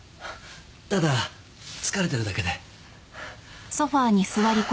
ただ疲れてるだけで。